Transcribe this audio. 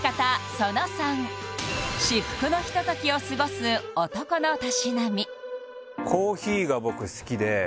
その３至福のひとときを過ごす男のたしなみ僕